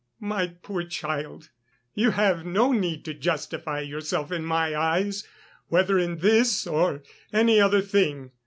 "My poor child, you have no need to justify yourself in my eyes, whether in this or any other thing.